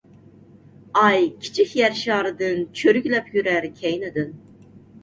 ئاي كىچىك يەر شارىدىن ، چۆرگۈلەپ يۈرەر كەينىدىن.